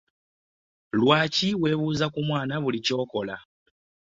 Lwaki weebuuza ku mwana buli kyokola?